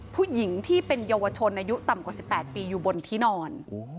ผู้หญิงที่เป็นเยาวชนอายุต่ำกว่า๑๘ปีอยู่บนที่นอน